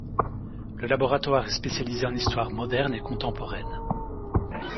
Le laboratoire est spécialisé en histoire moderne et contemporaine.